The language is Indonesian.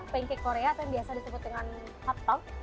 pancake korea yang biasa disebut dengan hotdog